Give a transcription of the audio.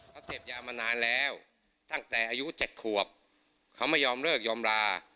เขาเสพยามานานแล้วตั้งแต่อายุ๗ขวบเขาไม่ยอมเลิกยอมลา